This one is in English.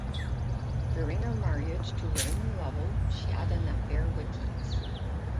During her marriage to Raymond Lovell she had an affair with Yeats.